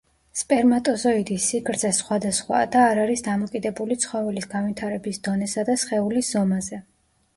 სპერმატოზოიდის სიგრძე სხვადასხვაა და არ არის დამოკიდებული ცხოველის განვითარების დონესა და სხეულის ზომაზე.